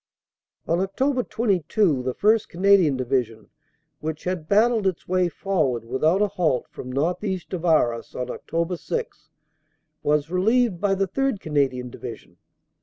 On Oct. 22 the 1st. Canadian Division, which had battled its way forward without a halt from northeast of Arras on Oct. 6, was relieved by the 3rd. Canadian Division.